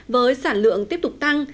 với sản lượng tiếp tục tăng